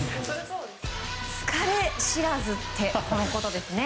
疲れ知らずってこのことですね。